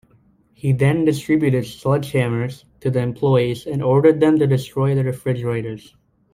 He then distributed sledgehammers to the employees and ordered them to destroy the refrigerators.